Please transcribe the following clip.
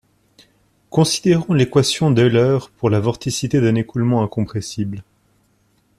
Considérons l'équation d'Euler pour la vorticité d'un écoulement incompressible